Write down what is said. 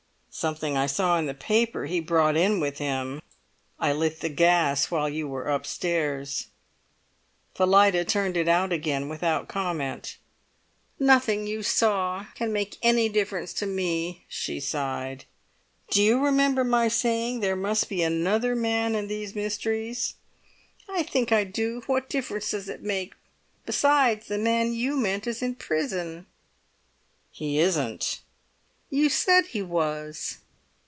"Something I saw in the paper he brought in with him. I lit the gas while you were upstairs." Phillida turned it out again without comment. "Nothing that you saw can make any difference to me," she sighed. "Do you remember my saying there must be another man in these—mysteries?" "I think I do. What difference does it make? Besides, the man you meant is in prison." "He isn't!" "You said he was?"